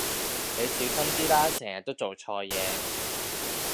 你小心啲啦成日都做錯嘢